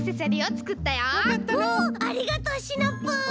ありがとうシナプー！